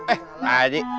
eh pak haji